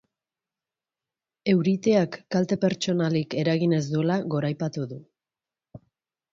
Euriteak kalte pertsonalik eragin ez duela goraipatu du.